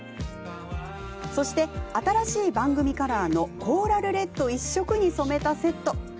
そして、新しい番組カラーの「コーラルレッド」一色に染めたセット。